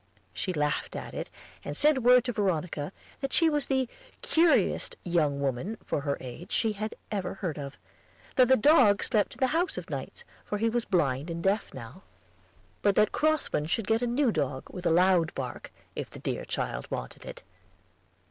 She laughed at it, and sent word to Veronica that she was the curiousest young woman for her age that she had ever heard of; that the dog slept in the house of nights, for he was blind and deaf now; but that Crossman should get a new dog with a loud bark, if the dear child wanted it.